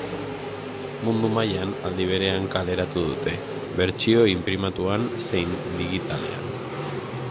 Mundu mailan aldi berean kaleratu dute, bertsio inprimatuan zein digitalean.